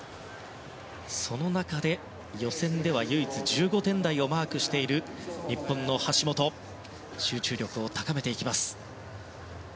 その中で、予選では唯一１５点台をマークしている日本の橋本が集中力を高めていきます。